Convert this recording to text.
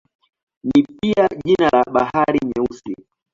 Ni pia jina la Bahari Nyeusi.